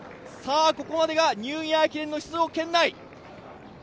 ここまでがニューイヤー駅伝の出場圏内。